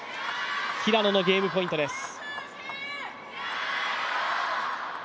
平野のゲームポイントです。